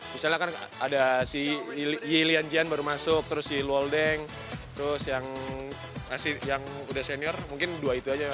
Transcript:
misalnya kan ada si yilian jian baru masuk terus si loldeng terus yang udah senior mungkin dua itu aja